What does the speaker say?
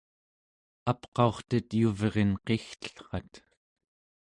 apqaurtet yuvrinqigtellrat